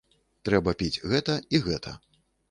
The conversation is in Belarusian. Трэба піць гэта і гэта.